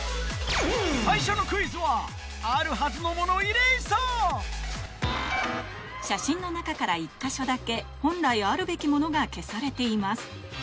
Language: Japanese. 最初のクイズは写真の中から１か所だけ本来あるべきものが消されています